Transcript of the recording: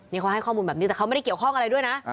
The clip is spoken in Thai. นี่เขาให้ข้อมูลแบบนี้แต่เขาไม่ได้เกี่ยวข้องอะไรด้วยนะ